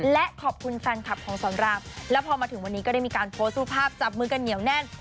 และขอบคุณแฟนคลับของสอนรามแล้วพอมาถึงวันนี้ก็ได้มีการโพสต์รูปภาพจับมือกันเหนียวแน่น